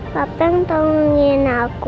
papa yang tangguhin aku